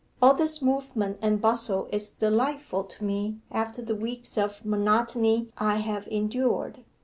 All this movement and bustle is delightful to me after the weeks of monotony I have endured.